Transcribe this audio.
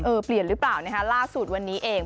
เออเปลี่ยนหรือเปล่าล่าสุดวันนี้เอง